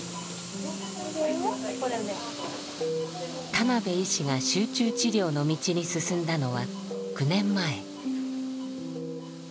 田邉医師が集中治療の道に進んだのは９年前。